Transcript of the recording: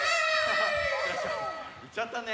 いっちゃったね。